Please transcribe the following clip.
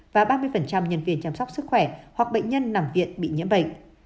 và ba mươi nhân viên chăm sóc sức khỏe hoặc bệnh nhân nằm viện bị nhiễm bệnh